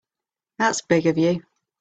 That's big of you.